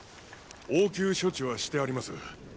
応急処置はしてあります。